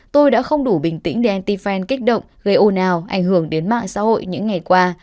tôi đã không đủ bình tĩnh để anti fan kích động gây ô nào ảnh hưởng đến mạng xã hội những ngày qua